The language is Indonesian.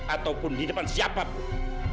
ataupun di depan siapapun